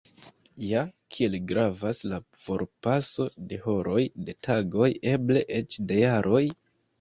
Ja, kiel gravas la forpaso de horoj, de tagoj, eble eĉ de jaroj?